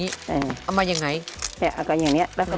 เอาอย่างไร